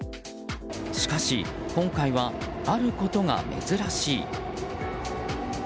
しかし今回はあることが珍しい。